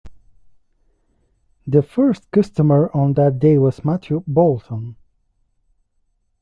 The first customer on that day was Matthew Boulton.